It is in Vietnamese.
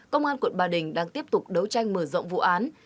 công an quận bà đình đang tiếp tục đấu tranh mở rộng vụ án